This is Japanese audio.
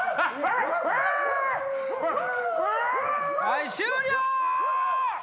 はい終了！